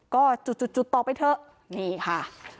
ก็จุดจุดต่อไปเถอะนี่ค่ะ